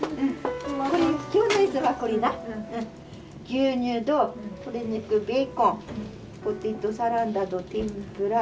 牛乳と鶏肉ベーコンポテトサラダと天ぷら。